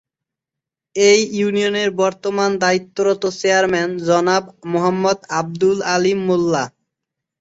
এই ইউনিয়নের বর্তমান দায়িত্বরত চেয়ারম্যান জনাব মোহাম্মদ আব্দুল আলীম মোল্লা।